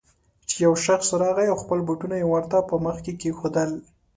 چې يو شخص راغی او خپل بوټونه يې ورته په مخ کې کېښودل.